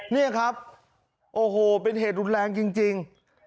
นี่ครับโอ้โหเป็นเหตุรุนแรงจริง